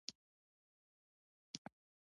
د پسته ګل د معدې لپاره وکاروئ